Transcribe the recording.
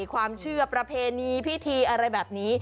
ความเชื่อประเพณีพิธีอะไรแบบนี้